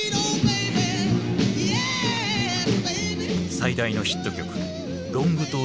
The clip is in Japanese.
最大のヒット曲